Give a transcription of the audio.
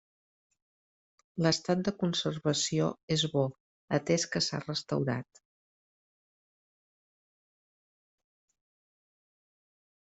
L'estat de conservació és bo, atès que s'ha restaurat.